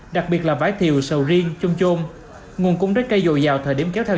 đặc biệt là vải thiều sầu riêng chôm chôm nguồn cung trái cây dồi dào thời điểm kéo theo